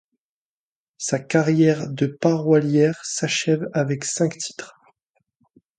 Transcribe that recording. Sa carrière de parolière s'achève avec ces cinq titres.